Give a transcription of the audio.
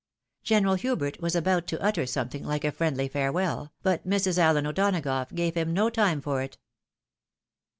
General Hubert was about to utter something like a friendly farewell, but Mrs. AHen O'Donagough gave him no time for it.